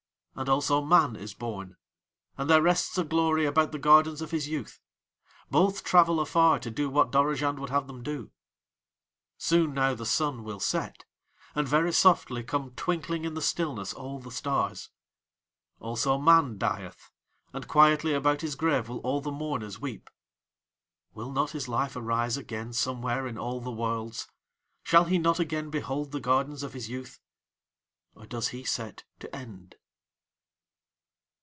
"And also man is born. And there rests a glory about the gardens of his youth. Both travel afar to do what Dorozhand would have them do. "Soon now the sun will set, and very softly come twinkling in the stillness all the stars. "Also man dieth. And quietly about his grave will all the mourners weep. "Will not his life arise again somewhere in all the worlds? Shall he not again behold the gardens of his youth? Or does he set to end?"